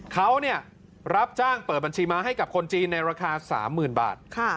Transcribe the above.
เขารับจ้างเปิดบัญชีม้าให้กับคนจีนในราคา๓๐๐๐บาท